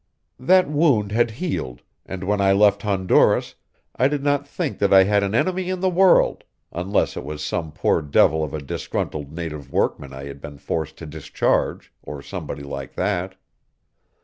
That wound had healed, and when I left Honduras, I did not think that I had an enemy in the world, unless it was some poor devil of a disgruntled native workman I had been forced to discharge, or somebody like that.